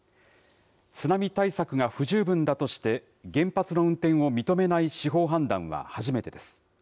津波対策が不十分だとして原発の運転を認めない司法判断は初めてです。